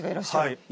はい。